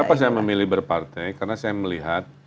kenapa saya memilih berpartai karena saya melihat